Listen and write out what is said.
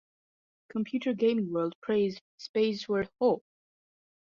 "Computer Gaming World" praised "Spaceward Ho!